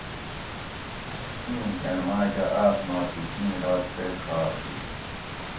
ایں ڈینڑ ماکہۤ آس ما تھی ایں ڈاکچئ ڄھار ہی